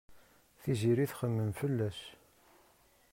Tiziri txemmem fell-as.